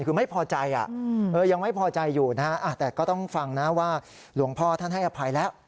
คือไม่พอใจยังไม่พอใจอยู่นะฮะแต่ก็ต้องฟังนะว่าหลวงพ่อท่านให้อภัยแล้ว